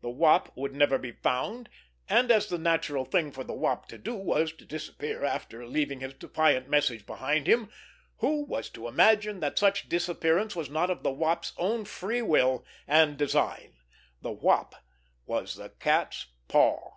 The Wop would never be found; and as the natural thing for the Wop to do was to disappear after leaving his defiant message behind him, who was to imagine that such disappearance was not of the Wop's own free will and design? The Wop was the cat's paw!